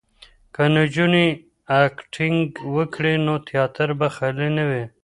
که نجونې اکټینګ وکړي نو تیاتر به خالي نه وي.